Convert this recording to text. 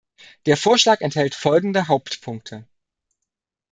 Der Vorschlag enthält folgende Hauptpunkte.